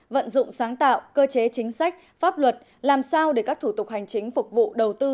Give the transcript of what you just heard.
vận dụng sáng tạo cơ chế chính sách pháp luật làm sao để các thủ tục hành chính phục vụ đầu tư